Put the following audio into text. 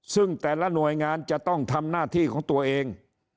ซึ่งแต่ละหน่วยงานจะต้องทำหน้าที่ของตัวเอง